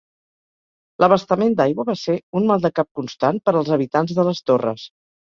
L'abastament d'aigua va ser un maldecap constant per als habitants de les torres.